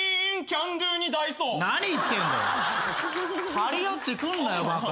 張り合ってくんなよバカ。